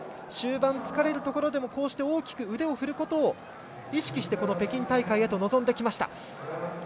終盤疲れるところでも大きく腕を振ることを意識して北京大会へと臨んできました。